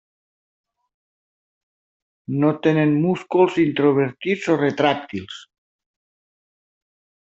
No tenen músculs introvertits o retràctils.